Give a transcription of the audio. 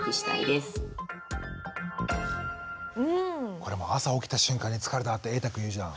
これ朝起きた瞬間に「疲れた」ってえいたくん言うじゃん？